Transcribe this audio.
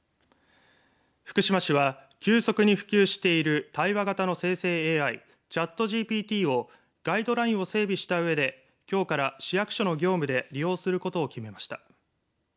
福島市は急速に普及している対話型の生成ＡＩチャットＧＰＴをガイドラインを整備したうえできょうから市役所の業務で利用することを決めました。